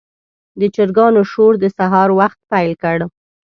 د چرګانو شور د سهار وخت پیل کړ.